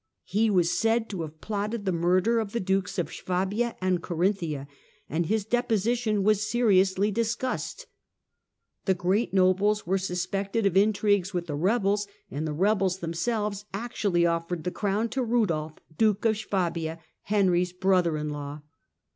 He was said to have plotted the murder of the dukes of Swabia and Corinthia, and his deposition was seriously discussed. The great nobles were suspected of intrigues with the rebels, and the rebels themselves actually offered the crown to Kudolf, Duke of Swabia, Henry's brother in law.